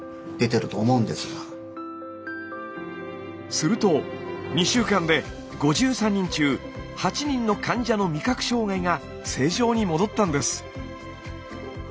すると２週間で５３人中８人の患者の味覚障害が正常に戻ったんです。